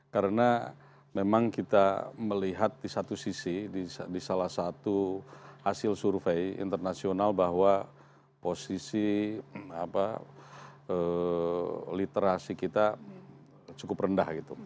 karena memang kita melihat di satu sisi di salah satu hasil survei internasional bahwa posisi literasi kita cukup rendah gitu